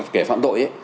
kẻ phạm tội ấy